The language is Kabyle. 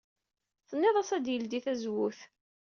Tennid-as ad yeldey tazewwut.